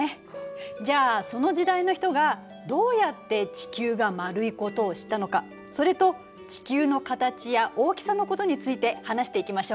じゃあその時代の人がどうやって地球が丸いことを知ったのかそれと地球の形や大きさのことについて話していきましょうか。